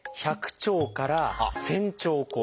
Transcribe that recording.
１００兆から１，０００兆個。